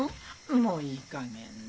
もういいかげんな。